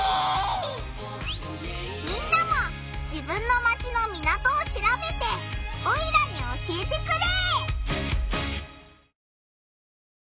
みんなも自分のマチの港をしらべてオイラに教えてくれ！